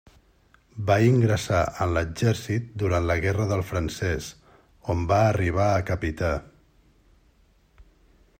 Va ingressar en l'exèrcit durant la Guerra del Francès, on va arribar a capità.